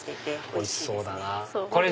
おいしそうだな！